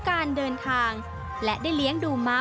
กลายเป็นประเพณีที่สืบทอดมาอย่างยาวนาน